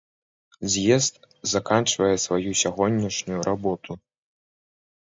З'езд заканчвае сваю сягонняшнюю работу.